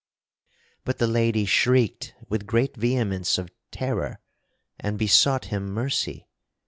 But the lady shrieked with great vehemence of terror and besought him mercy.